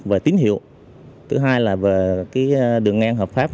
thiếu về tính hiệu thứ hai là về cái đường ngang hợp pháp